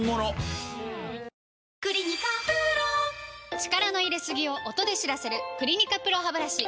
力の入れすぎを音で知らせる「クリニカＰＲＯハブラシ」